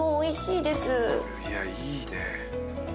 いやいいね。